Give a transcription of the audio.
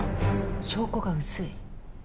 証拠が薄い。